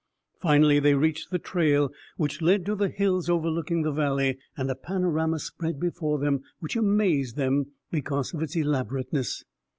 Finally they reached the trail which led to the hills overlooking the valley, and a panorama spread before them which amazed them because of its elaborateness.